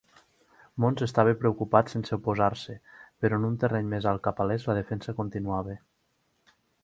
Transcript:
Mons estava ocupat sense oposar-se, però en un terreny més alt cap a l'est, la defensa continuava.